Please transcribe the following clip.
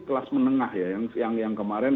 kelas menengah ya yang kemarin